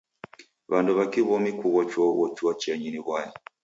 W'andu w'a kiw'omi kughochuaghochua chienyi ni w'aya.